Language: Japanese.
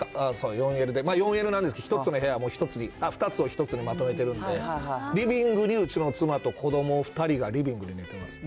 ４Ｌで、４Ｌなんですけど、１つの部屋、２つを１つにまとめてるんで、リビングにうちの妻と子ども２人がリビングで寝てますよ。